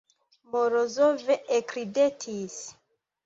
Morozov ekridetis.